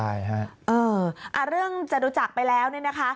เออเรื่องจะรู้จักไปแล้วเนี่ยนะคะ